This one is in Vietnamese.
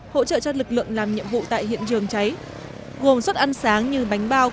hỗ trợ cho lực lượng làm nhiệm vụ tại hiện trường cháy gồm suất ăn sáng như bánh bao